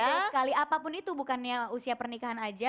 sekali apapun itu bukannya usia pernikahan aja